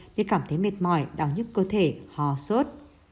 như cảm thấy mệt mỏi đau nhức cơ thể hò sốt